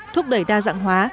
thúc đẩy đa dạng hóa